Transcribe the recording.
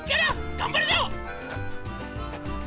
がんばるぞ！